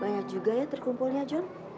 banyak juga ya terkumpulnya john